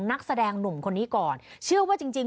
นักแสดงหนุ่มคนนี้ก่อนเชื่อว่าจริงจริง